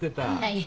はい。